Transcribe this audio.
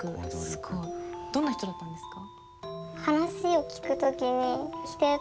どんな人だったんですか？